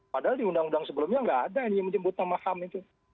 padahal di undang undang sebelumnya nggak ada yang menyebut nama ham itu